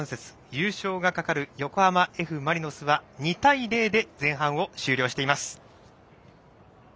優勝が懸かる横浜Ｆ・マリノスは２対０で前半を終了しています。